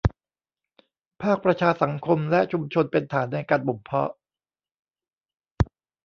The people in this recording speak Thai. ภาคประชาสังคมและชุมชนเป็นฐานในการบ่มเพาะ